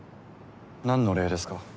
何の礼ですか？